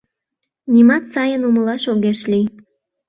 Нимат сайын умылаш огеш лий.